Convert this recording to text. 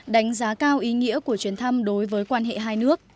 đánh giá cao ý nghĩa của chuyến thăm đối với quan hệ hai nước